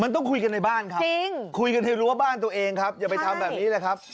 มันต้องคุยกันในบ้านครับจริงคุยกันในรั้วบ้านตัวเองครับอย่าไปทำแบบนี้แหละครับ